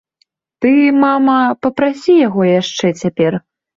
Ты, мама, папрасі яго яшчэ цяпер.